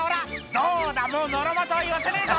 どうだもうのろまとは言わせねえぞ！」